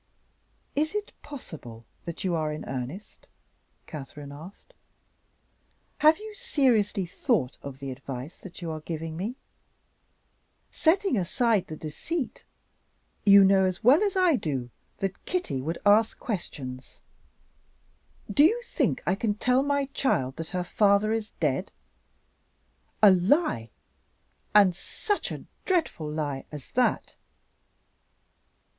"Is it possible that you are in earnest?" Catherine asked. "Have you seriously thought of the advice that you are giving me? Setting aside the deceit, you know as well as I do that Kitty would ask questions. Do you think I can tell my child that her father is dead? A lie and such a dreadful lie as that?"